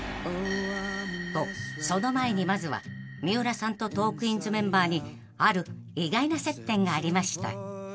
［とその前にまずは三浦さんとトークィーンズメンバーにある意外な接点がありました］